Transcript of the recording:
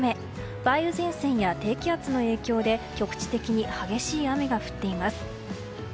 梅雨前線や低気圧の影響で局地的に激しい雨が降っています。